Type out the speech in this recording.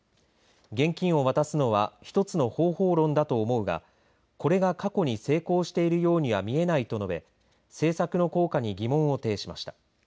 現金を渡すのは１つの方法論だと思うがこれが過去に成功しているようには見えないと述べ政策の効果に疑問を呈しました。